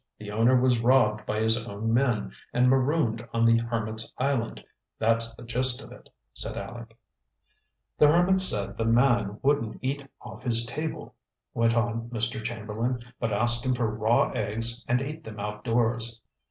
The owner was robbed by his own men and marooned on the hermit's island that's the gist of it," said Aleck. "The hermit said the man wouldn't eat off his table," went on Mr. Chamberlain; "but asked him for raw eggs and ate them outdoors.